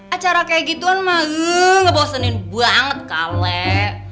acara kayak gituan mah ngebosenin banget kawet